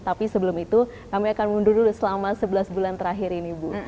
tapi sebelum itu kami akan mundur dulu selama sebelas bulan terakhir ini bu